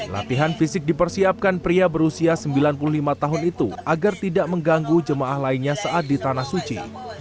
latihan fisik dipersiapkan pria berusia sembilan puluh lima tahun itu agar tidak mengganggu jemaah lainnya saat di tanah suci